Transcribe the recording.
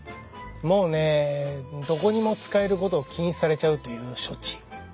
もうねどこにも仕えることを禁止されちゃうという処置。